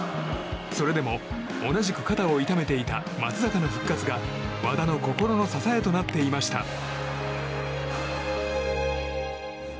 それでも、同じく肩を痛めていた松坂の復活が和田の心の支えとなっていました。